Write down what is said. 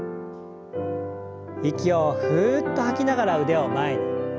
息をふっと吐きながら腕を前に。